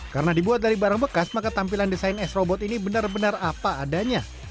karena dibuat dari barang bekas maka tampilan desain s robot ini benar benar apa adanya